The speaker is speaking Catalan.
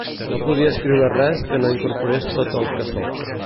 No podia escriure res que no incorporés tot el que soc.